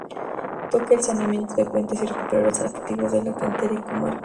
Toca el saneamiento de cuentas y recuperar los activos de la cantera y comarca.